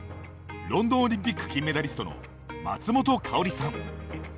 ロンドンオリンピック金メダリストの松本薫さん。